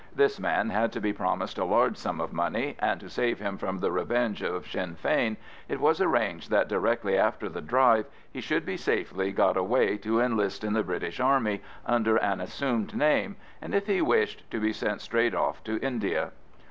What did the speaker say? This man had to be promised a large sum of money, and to save him from the revenge of Sinn Fein, it was arranged that directly after the drive he should be safely got away to enlist in the British Army under an assumed name, and, if he wished, be sent straight off to India.